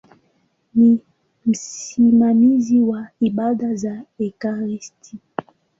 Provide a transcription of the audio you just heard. Ni msimamizi wa ibada za ekaristi.